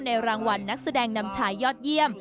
รางวัลนักแสดงนำชายยอดเยี่ยม